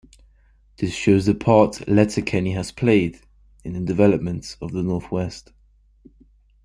This shows the part Letterkenny has played in the development of the North-West.